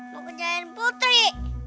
mau kejahit putri